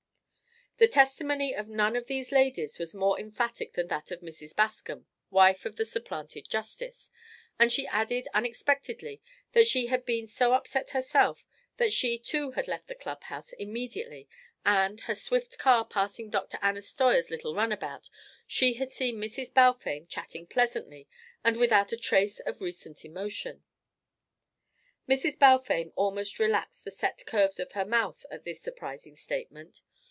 The testimony of none of these ladies was more emphatic than that of Mrs. Bascom, wife of the supplanted justice, and she added unexpectedly that she had been so upset herself that she too had left the clubhouse immediately, and, her swift car passing Dr. Anna Steuer's little runabout, she had seen Mrs. Balfame chatting pleasantly and without a trace of recent emotion. Mrs. Balfame almost relaxed the set curves of her mouth at this surprising statement.